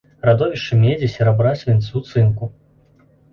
Радовішчы медзі, серабра, свінцу, цынку.